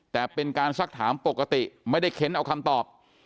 แต่เป็นการสักถามปกติไม่ได้เค้นเอาคำตอบ